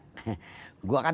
gue kan udah dapet banyak ikan